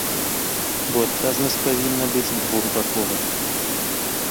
Бо адказнасць павінна быць двухбаковай.